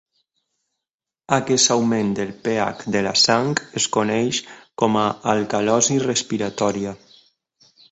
Aquest augment del pH de la sang es coneix com a alcalosi respiratòria.